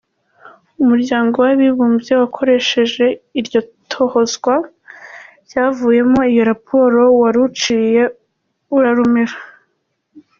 Umuryango w’Abibumbye wakoresheje iryo tohozwa ryavuyemo iyo raporo wararuciye urarumira.